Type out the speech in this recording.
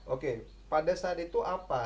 oke pada saat itu apa